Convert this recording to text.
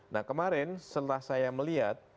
nah kemarin setelah saya melihat